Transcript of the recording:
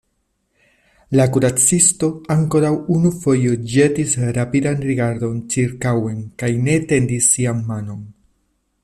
La kuracisto ankoraŭ unu fojon ĵetis rapidan rigardon ĉirkaŭen kaj ne etendis sian manon.